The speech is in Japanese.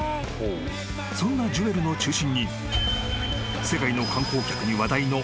［そんなジュエルの中心に世界の観光客に話題のあるスポットが］